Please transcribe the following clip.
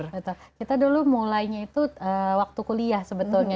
betul kita dulu mulainya itu waktu kuliah sebetulnya